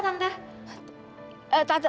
eh tante tante tante